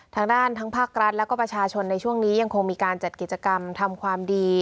ทางด้านทั้งภาครัฐแล้วก็ประชาชนในช่วงนี้ยังคงมีการจัดกิจกรรมทำความดี